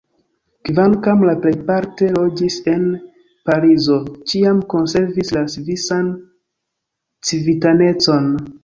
Kvankam le plejparte loĝis en Parizo, ĉiam konservis la svisan civitanecon.